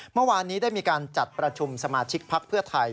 เมื่อวานนี้ได้มีการจัดประชุมสมาชิกพักเพื่อไทย